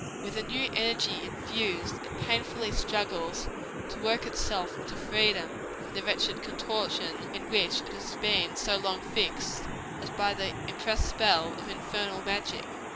With the new energy infused, it painfully struggles to work itself into freedom from the wretched contortion in which it has been so long fixed, as by the impressed spell of infernal magic."